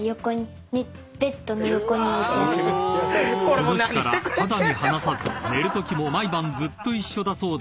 ［その日から肌身離さず寝るときも毎晩ずっと一緒だそうで